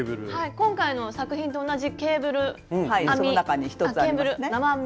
今回の作品と同じケーブル編み。